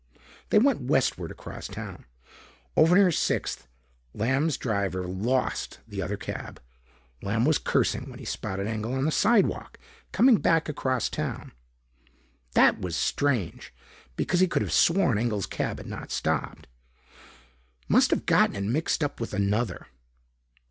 They went westward across town. Over near Sixth, Lamb's driver lost the other cab. Lamb was cursing when he spotted Engel on the sidewalk, coming back across town. That was strange because he could have sworn Engel's cab had not stopped. Must have gotten it mixed up with another.